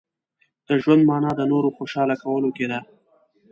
• د ژوند مانا د نورو خوشحاله کولو کې ده.